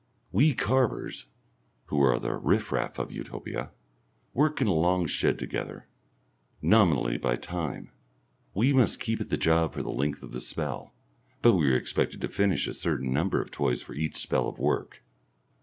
We carvers who are the riffraff of Utopia work in a long shed together, nominally by time; we must keep at the job for the length of the spell, but we are expected to finish a certain number of toys for each spell of work.